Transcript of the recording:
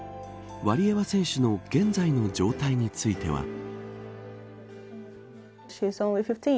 ワリエワ選手の現在の状態については。